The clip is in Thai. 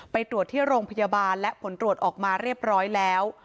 ไปตรวจที่โรงพยาบาลและผลตรวจออกมาเรียบร้อยแล้ว